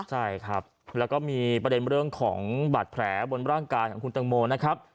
ใช่ครับแล้วก็มีประเด็นเรื่องของบาดแผลบนร่างกายของคุณตังโมนะครับ